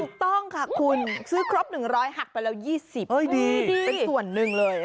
ถูกต้องค่ะคุณซื้อครบ๑๐๐หักไปแล้ว๒๐ดีเป็นส่วนหนึ่งเลย